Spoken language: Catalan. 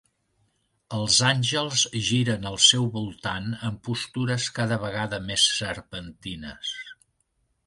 Els àngels giren al seu voltant en postures cada vegada més serpentines.